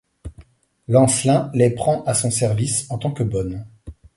Lancelin les prend à son service en tant que bonnes.